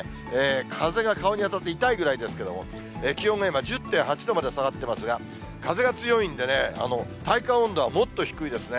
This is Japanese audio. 風が顔に当たって痛いぐらいですけれども、気温が今、１０．８度まで下がってますが、風が強いんでね、体感温度はもっと低いですね。